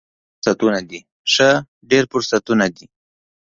ښه، ډیر فرصتونه دي